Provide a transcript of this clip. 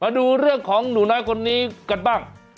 มาดูเรื่องของหนูน้อยคนนี้กันบ้าง